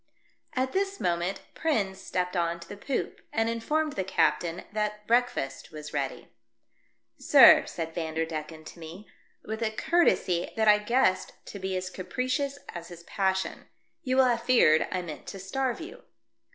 At this moment Prins stepped on to the poop, and informed the captain that break fast was ready. " Sir," said Vanderdecken to me, with a courtesy that I guessed to be as capricious as his passion, " you will have feared I meant to starve you."